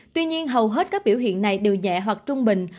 tuy nhiên hầu hết các biểu hiện này đều nhẹ hoặc trung bình